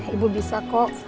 ibu bisa kok